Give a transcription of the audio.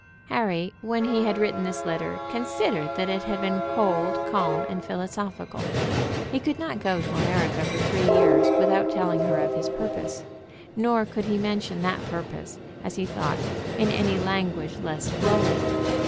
Harry, when he had written this letter, considered that it had been cold, calm, and philosophical. He could not go to America for three years without telling her of his purpose; nor could he mention that purpose, as he thought, in any language less glowing.